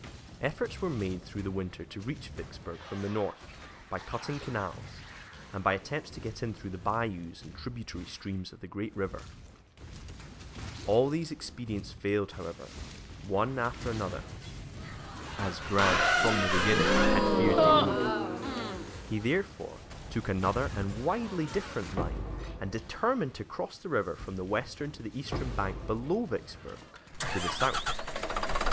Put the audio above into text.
Efforts were made through the winter to reach Vicksburg from the north by cutting canals, and by attempts to get in through the bayous and tributary streams of the great river. All these expedients failed, however, one after another, as Grant, from the beginning, had feared that they would. He, therefore, took another and widely different line, and determined to cross the river from the western to the eastern bank below Vicksburg, to the south.